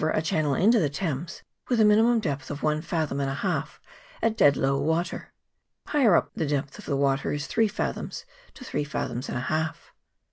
275 a channel into the Thames with a minimum depth of one fathom and a half at dead low water ; higher up the depth of the water is three fathoms to three fathoms and a half.